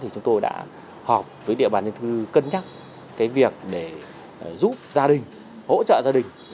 chúng tôi đã hợp với địa bàn dân cư cân nhắc việc giúp gia đình hỗ trợ gia đình